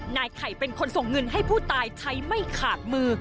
นายไข่เป็นคนส่งเงินให้ผู้ตายใช้ไม่ขาดมือ